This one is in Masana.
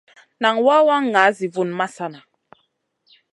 Nan wawa ŋa zi vun masana.